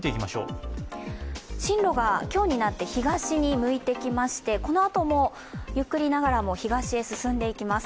進路が今日になって東に向いてきまして、このあともゆっくりながらも東へ進んでいきます。